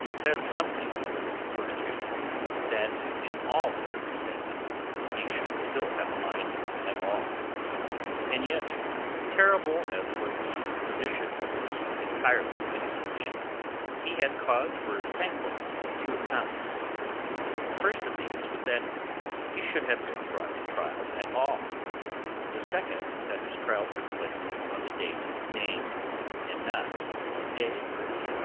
It says something for his fortitude that in all the circumstances he should still have had a mind at all. Yet, terrible as was the position of this entirely innocent man, he had cause for thankfulness on two counts. The first of these was that he should have been brought to trial at all; the second, that his trial took place on the date named, and not a day earlier.